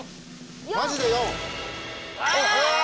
マジで「４」！